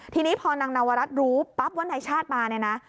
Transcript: ทีนี้พอนางนวรัฐรู้ปั๊บว่านายชาติมาเนี่ยนะ